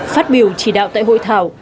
phát biểu chỉ đạo tại hội thảo